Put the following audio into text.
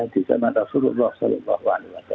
di zaman rasulullah saw